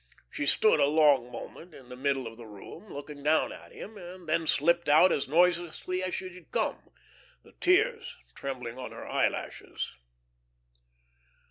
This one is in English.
She stood a long moment in the middle of the room, looking down at him; and then slipped out as noiselessly as she had come, the tears trembling on her eyelashes.